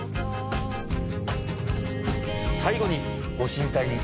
最後にご神体に。